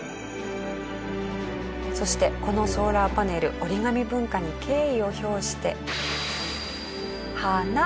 そしてこのソーラーパネル折り紙文化に敬意を表してＨＡＮＡ